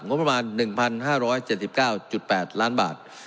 งบประมาณ๑๕๗๙๘ล้านบาท